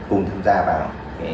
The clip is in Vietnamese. cùng tham gia vào